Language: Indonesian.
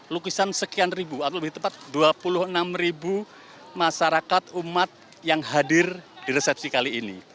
lukisan sekian ribu atau lebih tepat dua puluh enam ribu masyarakat umat yang hadir di resepsi kali ini